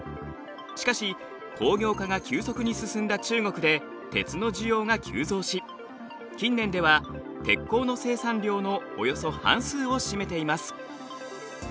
しかし工業化が急速に進んだ中国で鉄の需要が急増し近年では鉄鋼の生産量のおよそ半数を占めています。